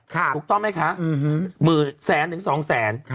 ถูกต้องไหมคะหมื่นแสนถึง๒แสน